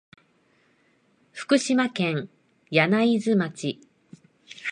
福島県柳津町